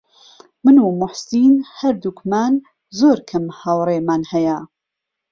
من و موحسین هەردووکمان زۆر کەم هاوڕێمان هەیە.